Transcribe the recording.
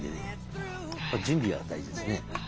準備が大事ですね。